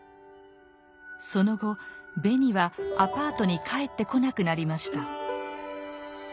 その後ベニはアパートに帰ってこなくなりました。